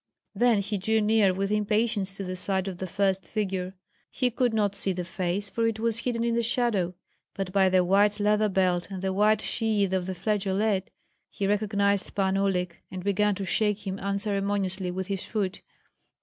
Then he drew near with impatience to the side of the first figure. He could not see the face, for it was hidden in the shadow; but by the white leather belt and the white sheath of the flageolet he recognized Pan Uhlik, and began to shake him unceremoniously with his foot.